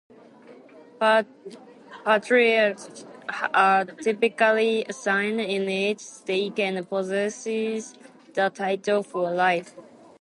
Patriarchs are typically assigned in each stake and possess the title for life.